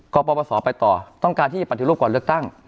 ปปศไปต่อต้องการที่จะปฏิรูปก่อนเลือกตั้ง